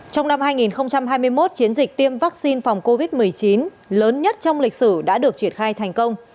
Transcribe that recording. trong năm hai nghìn hai mươi một chiến dịch tiêm vaccine phòng covid một mươi chín lớn nhất trong lịch sử đã được triển khai thành công